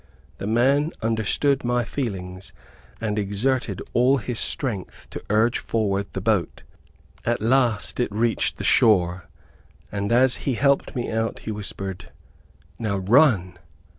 The man understood my feelings, and exerted all his strength to urge forward the boat. At last it reached the shore, and as he helped me out he whispered, "Now run."